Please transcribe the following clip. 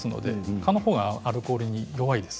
蚊のほうがアルコールに弱いです。